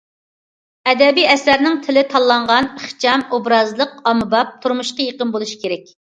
ئەدەبىي ئەسەرنىڭ تىلى تاللانغان، ئىخچام، ئوبرازلىق، ئاممىباب، تۇرمۇشقا يېقىن بولۇش كېرەك.